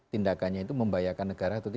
tindakannya itu membayarkan negara